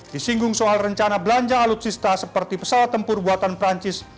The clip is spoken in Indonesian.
disinggung soal rencana belanja alutsista seperti pesawat tempur buatan perancis